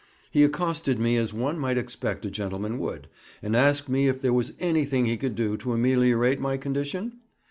He accosted me as one might expect a gentleman would, and asked me if there was anything he could do to ameliorate my condition?